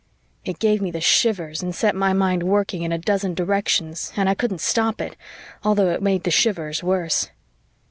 It gave me the shivers and set my mind working in a dozen directions and I couldn't stop it, although it made the shivers worse.